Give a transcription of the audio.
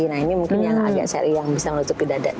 nah ini mungkin yang agak seri yang bisa menutupi dada